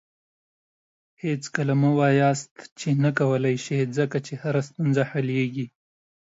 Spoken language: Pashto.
هېڅکله مه وایاست چې نه کولی شې، ځکه چې هره ستونزه حلیږي.